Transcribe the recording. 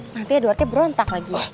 nanti edwardnya berontak lagi